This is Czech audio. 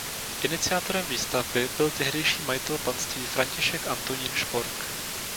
Iniciátorem výstavby byl tehdejší majitel panství František Antonín Špork.